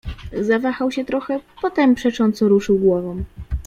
"Zawahał się trochę, potem przecząco ruszył głową."